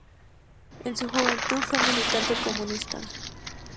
En su juventud fue militante comunista.